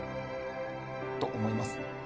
と思います